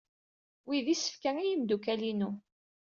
Wi d isefka i yimeddukal-inu.